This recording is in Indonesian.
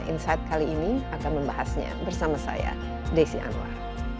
insight kali ini akan membahasnya bersama saya desi anwar